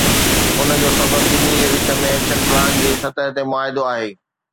ان جو سبب ٻنهي جي وچ ۾ ايڪشن پلان جي سطح تي معاهدو آهي.